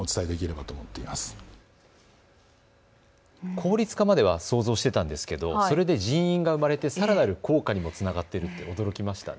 効率化までは想像していたんですが、それで人員が生まれてさらに効果にもつながっているって驚きました。